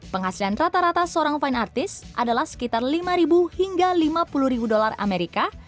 penghasilan rata rata seorang fine artist adalah sekitar lima hingga lima puluh dolar amerika